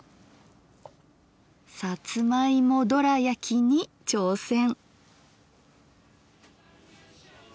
さつまいもドラやきに挑戦！